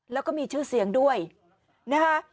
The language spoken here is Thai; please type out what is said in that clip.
แล้วก็มีชื่อเสียงด้วยนะคะ